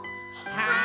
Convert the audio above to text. はい。